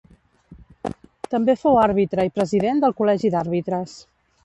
També fou àrbitre i president del Col·legi d'Àrbitres.